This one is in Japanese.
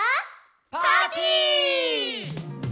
パーティー！